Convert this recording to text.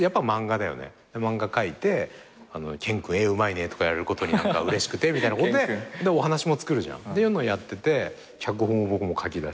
漫画描いて「健君絵うまいね」とか言われることにうれしくてみたいなことでお話もつくるじゃん。っていうのをやってて脚本を僕も書きだして。